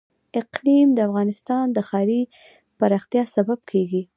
اقلیم د افغانستان د ښاري پراختیا سبب کېږي.